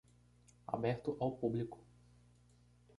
Aberto ao público